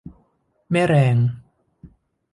แม่แรง